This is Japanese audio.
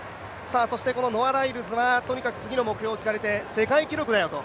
そして、ノア・ライルズはとにかく次の目標を聞かれて、世界記録だよ、と。